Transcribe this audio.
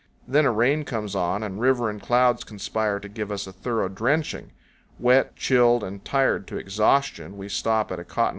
Then a rain comes on, and river and clouds conspire to give us a thorough drenching. Wet, chilled, and tired to exhaustion, we stop at a cotton 126 CANYONS OF THE COLCHADO.